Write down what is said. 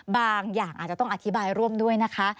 บางอย่างอาจจะต้องอธิบายร่วมด้วยนะคะ